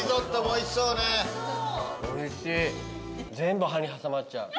おいしい。